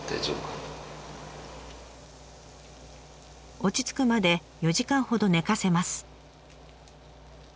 落ち着くまで４時間ほど寝かせます。